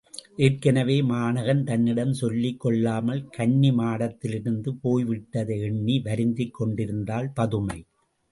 ஏற்கெனவே மாணகன் தன்னிடம் சொல்லிக் கொள்ளாமல் கன்னிமாடத்திலிருந்து போய் விட்டதை எண்ணி வருந்திக் கொண்டிருந்தாள் பதுமை.